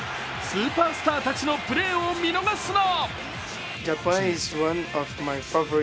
スーパースターたちのプレーを見逃すな！